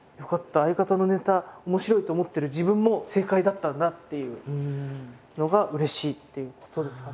相方のネタ面白いと思ってる自分も正解だったんだっていうのがうれしいっていうことですかね。